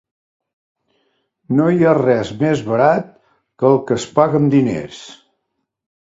No hi ha res més barat que el que es paga amb diners.